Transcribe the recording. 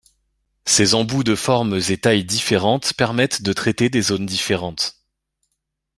Ces embouts de formes et tailles différentes permettent de traiter des zones différentes.